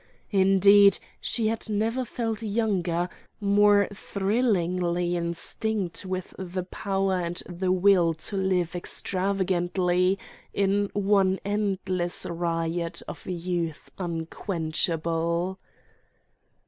Indeed, she had never felt younger, more thrillingly instinct with the power and the will to live extravagantly in one endless riot of youth unquenchable....